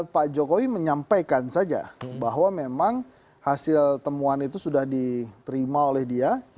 pak jokowi menyampaikan saja bahwa memang hasil temuan itu sudah diterima oleh dia